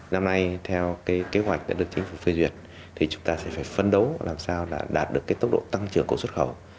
năm nay theo kế hoạch được chính phủ phê duyệt thì chúng ta sẽ phải phân đấu làm sao đạt được tốc độ tăng trưởng của xuất khẩu